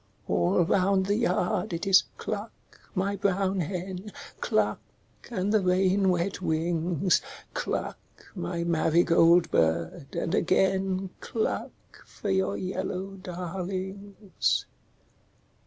All round the yard it is cluck, my brown hen, Cluck, and the rain wet wings, Cluck, my marigold bird, and again Cluck for your yellow darlings.